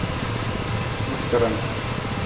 Мыскаранчык.